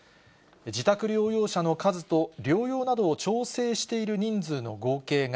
自宅療養者の数と療養などを調整している人数の合計が、